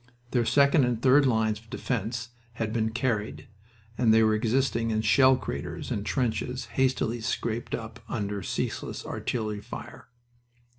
Their second and third lines of defense had been carried, and they were existing in shell craters and trenches hastily scraped up under ceaseless artillery fire.